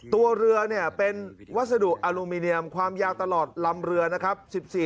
ตัวเรือเนี่ยเป็นวัสดุอลูมิเนียมความยาวตลอดลำเรือนะครับ